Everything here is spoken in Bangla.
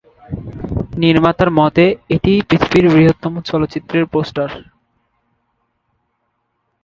নির্মাতার মতে এটিই পৃথিবীর বৃহত্তম চলচ্চিত্রের পোস্টার।